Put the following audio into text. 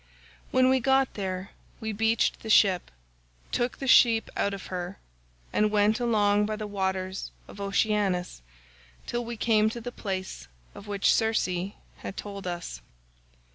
When we got there we beached the ship, took the sheep out of her, and went along by the waters of Oceanus till we came to the place of which Circe had told us.